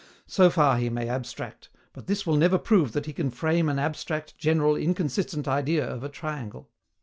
So far he may abstract; but this will never prove that he can frame an abstract, general, inconsistent idea of a triangle.